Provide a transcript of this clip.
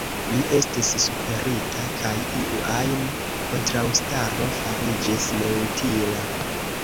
Mi estis superita, kaj iu ajn kontraŭstaro fariĝis neutila.